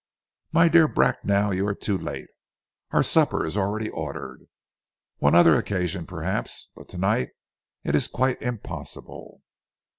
"My dear Bracknell, you are too late. Our supper is already ordered. On another occasion, perhaps, but tonight it is quite impossible."